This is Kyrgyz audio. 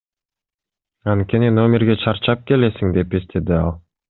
Анткени номерге чарчап келесиң, — деп эстеди ал.